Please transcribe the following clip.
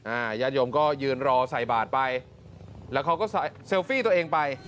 ญาติโยมก็ยืนรอใส่บาทไปแล้วเขาก็เซลฟี่ตัวเองไป